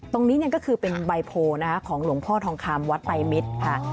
ตรงนี้ก็คือเป็นใบโพลนะคะของหลวงพ่อทองคำวัดไปมิตรค่ะ